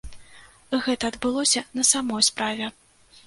Гэта адбылося на самой справе.